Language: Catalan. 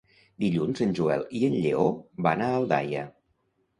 Dilluns en Joel i en Lleó van a Aldaia.